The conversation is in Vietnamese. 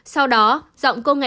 sau đó giọng cô ngại